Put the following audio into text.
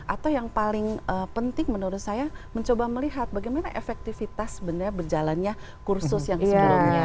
atau yang paling penting menurut saya mencoba melihat bagaimana efektivitas sebenarnya berjalannya kursus yang sebelumnya